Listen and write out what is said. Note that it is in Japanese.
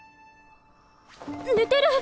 寝てる！